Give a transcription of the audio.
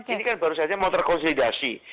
ini kan baru saja mau terkonsolidasi